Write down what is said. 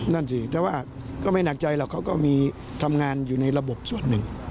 นั่นสิแต่ว่าก็ไม่หนักใจหรอกเขาก็มีทำงานอยู่ในระบบส่วนหนึ่ง